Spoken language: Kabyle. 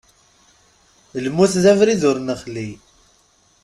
Lmut d abrid ur nexli.